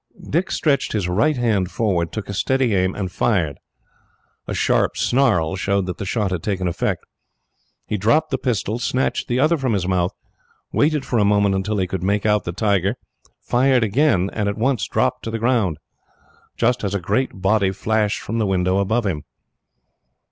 Dick stretched his right hand forward, took a steady aim, and fired. A sharp snarl showed that the shot had taken effect. He dropped the pistol, snatched the other from his mouth, waited for a moment until he could make out the tiger, fired again, and at once dropped to the ground, just as a great body flashed from the window above him.